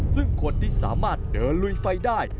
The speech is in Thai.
ซึ่งคนที่สามารถเดินลุยไฟได้